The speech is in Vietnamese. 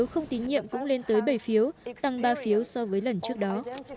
phiếu không tín nhiệm cũng lên tới bảy phiếu tăng ba phiếu so với lần trước đó